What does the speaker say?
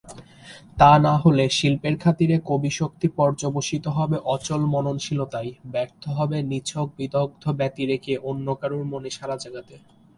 তা’ না হ’লে, শিল্পের খাতিরে, কবি-শক্তি পর্যবসিত হবে অচল মননশীলতায়, ব্যর্থ হবে নিছক বিদগ্ধ ব্যতিরেকে অন্য কারো মনে সাড়া জাগাতে।